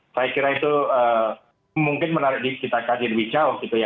saya kira itu mungkin menarik kita kajir wicau gitu ya